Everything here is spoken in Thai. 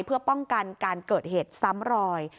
เพื่อป้องกันการเกิดเหตุซ้ำรอย